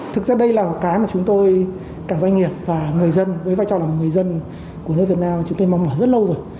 thực ra đây là một cái mà chúng tôi cả doanh nghiệp và người dân với vai trò là một người dân của nước việt nam chúng tôi mong mỏi rất lâu rồi